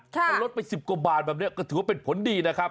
ถ้าลดไป๑๐กว่าบาทแบบนี้ก็ถือว่าเป็นผลดีนะครับ